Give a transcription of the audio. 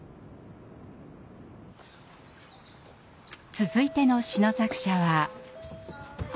続いての詩の作者は。